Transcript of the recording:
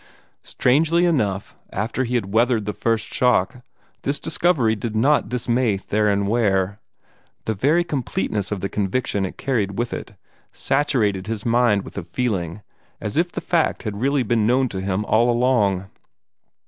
Strangely enough, after he had weathered the first shock, this discovery did not dismay Theron Ware. The very completeness of the conviction it carried with it, saturated his mind with a feeling as if the fact had really been known to him all along.